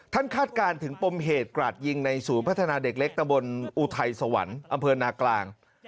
คาดการณ์ถึงปมเหตุกราดยิงในศูนย์พัฒนาเด็กเล็กตะบนอุทัยสวรรค์อำเภอนากลาง